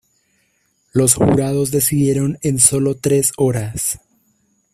Los jurados decidieron en sólo tres horas.